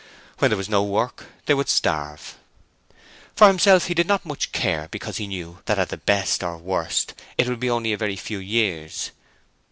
When there was no work they would starve. For himself he did not care much because he knew that at the best or worst it would only be a very few years.